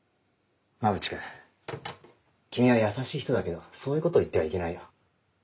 馬淵君君は優しい人だけどそういうことを言ってはいけないよ。